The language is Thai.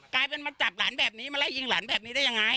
กลายเป็นมาจับหลานแบบนี้มาไล่ยิงหลานแบบนี้ได้ยังไง